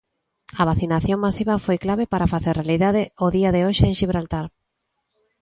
A vacinación masiva foi clave para facer realidade o día de hoxe en Xibraltar.